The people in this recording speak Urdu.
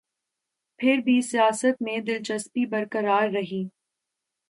پھر بھی سیاست میں دلچسپی برقرار رہی۔